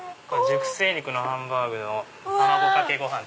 熟成肉のハンバーグの卵かけご飯